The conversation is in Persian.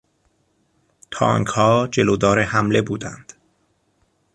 تانکها جلودار حمله بودند.